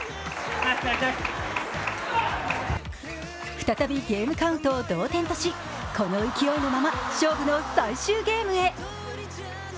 再びゲームカウントを同点としこの勢いのまま勝負の最終ゲームへ。